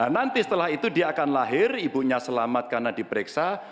nanti setelah itu dia akan lahir ibunya selamat karena diperiksa